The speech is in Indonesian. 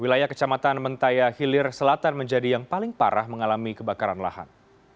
wilayah kecamatan mentaya hilir selatan menjadi yang paling parah mengalami kebakaran lahan